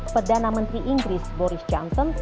perdana menteri inggris boris johnson